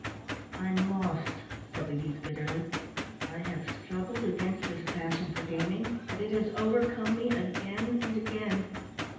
"I'm lost," said the youth, bitterly. "I have struggled against this passion for gaming, but it has overcome me again and again.